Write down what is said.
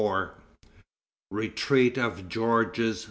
Retreat of Georges II.